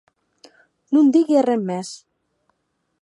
Non digui arren mès!